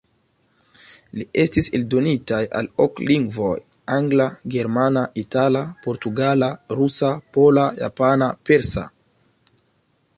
Ili estis eldonitaj al ok lingvoj: Angla, Germana, Itala, Portugala, Rusa, Pola, Japana, Persa.